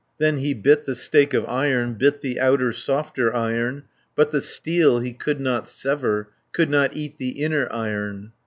Then he bit the stake of iron, Bit the outer softer iron, 90 But the steel he could not sever, Could not eat the inner iron.